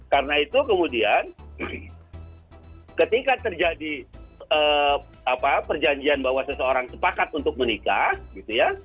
karena itu kemudian ketika terjadi perjanjian bahwa seseorang sepakat untuk menikah gitu ya